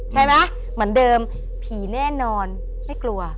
ไหมเหมือนเดิมผีแน่นอนไม่กลัว